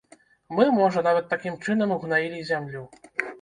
Мы, можа, нават такім чынам ўгнаілі зямлю.